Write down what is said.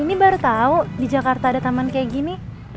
ini baru tahu di jakarta ada taman kayak gini